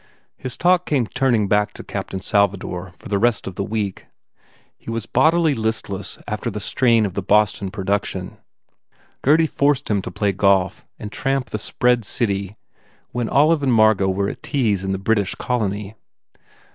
His talk came turning back to "Captain Salvador" for the rest of the week. He was bodily listless after the strain of the Boston pro duction. Gurdy forced him to play golf and tramp the spread city when Olive and Margot were at teas in the British colony.